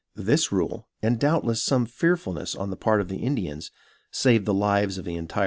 This rule, and doubtless some fearfulness on the part of the Indians, saved the lives of the entire band.